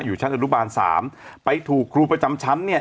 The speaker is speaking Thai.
อยู่ชั้นอุตบาล๓ไปถูกครูประจำชั้น